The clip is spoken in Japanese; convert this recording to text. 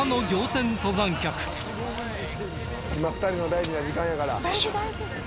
今２人の大事な時間やから。